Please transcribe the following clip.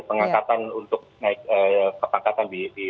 pengangkatan untuk naik ke pangkatan di indonesia